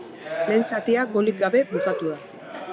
Lehen zatia golik gabe bukatu da.